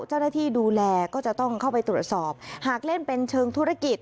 เจ้าหน้าที่ดูแลก็จะต้องเข้าไปตรวจสอบหากเล่นเป็นเชิงธุรกิจ